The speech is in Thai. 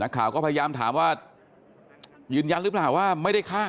ข่าวก็พยายามถามว่ายืนยันหรือเปล่าว่าไม่ได้ฆ่า